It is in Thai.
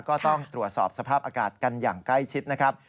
ก็ต้องตรวจสอบสภาพอากาศกันอย่างใกล้ชิดนะครับ